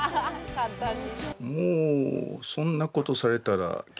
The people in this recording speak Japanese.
簡単に。